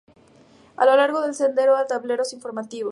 A lo largo del sendero hay tableros informativos.